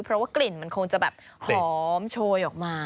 เพราะว่ากลิ่นมันคงจะแบบหอมโชยออกมา